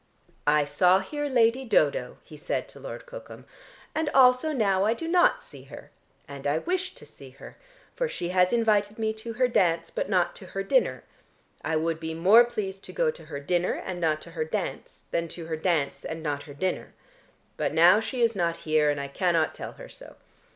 "I saw here Lady Dodo," he said to Lord Cookham, "and also now I do not see her. And I wished to see her, for she has invited me to her dance, but not to her dinner. I would be more pleased to go to her dinner and not to her dance than to her dance and not her dinner. But now she is not here, and I cannot tell her so.